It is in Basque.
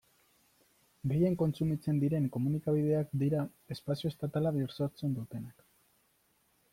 Gehien kontsumitzen diren komunikabideak dira espazio estatala bisortzen dutenak.